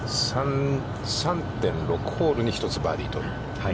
３．６ホールに１つ、バーディーを取ると。